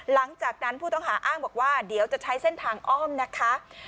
หลังจากนั้นผู้ต้องหาอ้างบอกว่าเดี๋ยวจะใช้เส้นทางอ้อมนะคะ